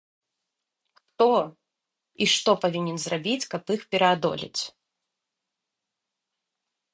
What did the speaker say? Хто і што павінен зрабіць, каб іх пераадолець?